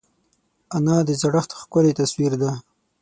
انا د زړښت ښکلی تصویر ده